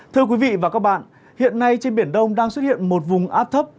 thưa quý vị và các bạn hiện nay trên biển đông đang xuất hiện một vùng áp thấp